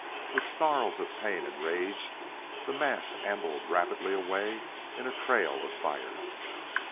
With snarls of pain and rage the mass ambled rapidly away in a trail of fire.